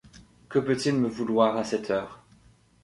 Que peut-il me vouloir à cette heure ?